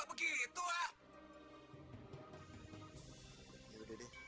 buka aja sendiri